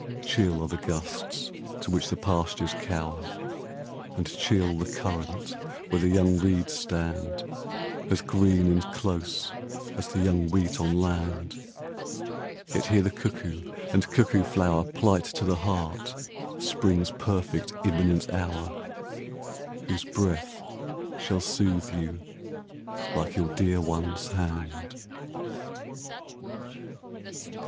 Chill are the gusts to which the pastures cower, And chill the current where the young reeds stand As green and close as the young wheat on land Yet here the cuckoo and cuckoo flower Plight to the heart Spring's perfect imminent hour Whose breath shall soothe you like your dear one's hand.